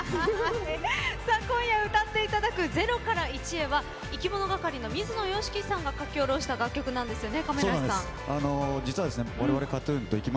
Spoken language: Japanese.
今夜歌っていただく「ゼロからイチへ」はいきものがかりの水野良樹さんが書き下ろした楽曲なんですよね。